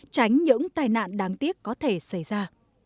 tránh những tai nạn đáng tiếc có thể xảy ra